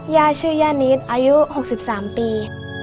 ย่าชื่อย่านิดอายุ๖๓ปี